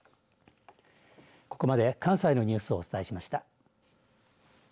ここまで関西のニュースをお伝えしました。